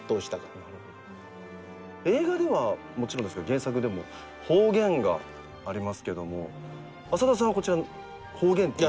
映画ではもちろんですけど原作でも方言がありますけど浅田さんはこちら方言って。